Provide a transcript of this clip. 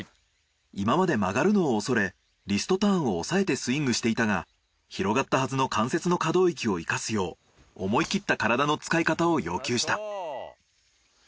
今まで曲がるのを恐れリストターンを抑えてスイングしていたが広がったはずの関節の可動域を生かすよう思い切った体の使い方を要求した。